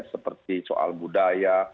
seperti soal budaya